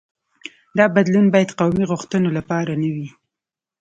دا بدلون باید قومي غوښتنو لپاره نه وي.